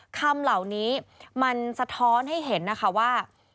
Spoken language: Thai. คำเหล่านี้มันสะท้อนให้เห็นนะคะว่า